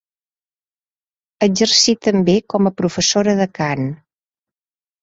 Exercí també com a professora de cant.